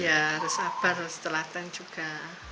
iya harus sabar harus telatan juga